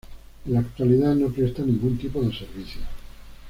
En la actualidad no presta ningún tipo de servicios.